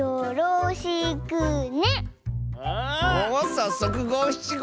さっそくごしちご！